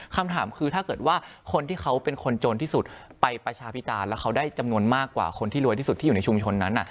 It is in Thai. คำถามคือถ้าเกิดว่าคนที่เขาเป็นคนจนที่สุดไปประชาพิตาแล้วเขาได้จำนวนมากกว่าคนที่รวยที่สุดที่อยู่ในชุมชนนั้น